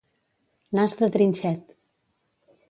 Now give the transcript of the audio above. Nas de trinxet.